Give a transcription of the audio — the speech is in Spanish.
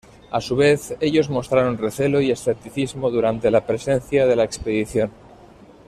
A su vez ellos mostraron recelo y escepticismo durante la presencia de la expedición.